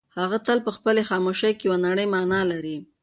هغه تل په خپلې خاموشۍ کې یوه نړۍ مانا لري.